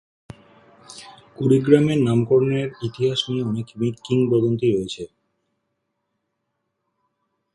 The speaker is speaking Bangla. কুড়িগ্রাম নামকরণের ইতিহাস নিয়ে অনেক কিংবদন্তি রয়েছে।